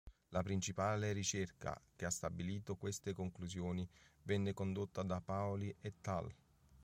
La principale ricerca che ha stabilito queste conclusioni venne condotta da Paoli et al.